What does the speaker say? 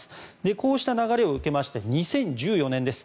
こうした流れを受けまして２０１４年です。